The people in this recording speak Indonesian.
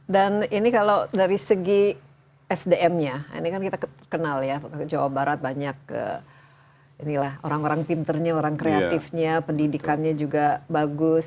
dan ini kalau dari segi sdm nya ini kan kita kenal ya jawa barat banyak ke inilah orang orang pinternya orang kreatifnya pendidikannya juga bagus